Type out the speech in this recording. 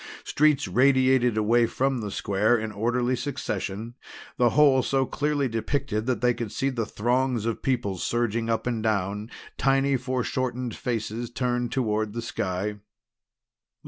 Streets radiated away from the square in orderly succession, the whole so clearly depicted that they could see the throngs of people surging up and down, tiny foreshortened faces turned toward the sky.